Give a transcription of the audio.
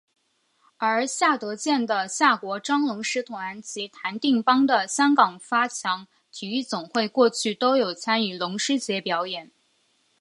而夏德健的夏国璋龙狮团及谭定邦的香港发强体育总会过去都有参与龙狮节表演。